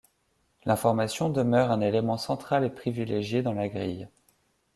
L'information demeure un élément central et privilégié dans la grille.